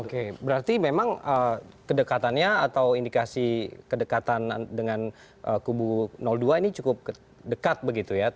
oke berarti memang kedekatannya atau indikasi kedekatan dengan kubu dua ini cukup dekat begitu ya